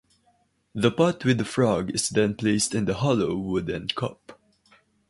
The pot with the frog is then placed in the hollow wooden cup.